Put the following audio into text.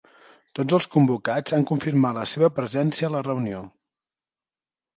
Tots els convocats han confirmat la seva presència a la reunió